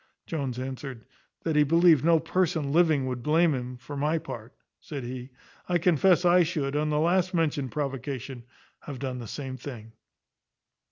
Jones answered, "That he believed no person living would blame him; for my part," said he, "I confess I should, on the last mentioned provocation, have done the same thing."